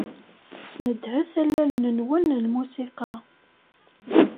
Snedhet allalen-nwen n lmusiqa.